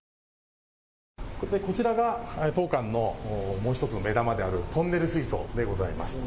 こちらが当館のもう１つの目玉であるトンネル水槽でございます。